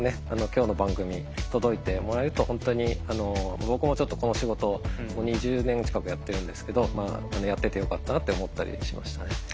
今日の番組届いてもらえると本当に僕もちょっとこの仕事２０年近くやってるんですけどやっててよかったなって思ったりしましたね。